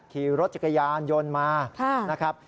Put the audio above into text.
ขี่รถจักรยานยนต์มานะครับ